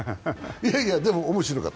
いやいや、でも面白かった。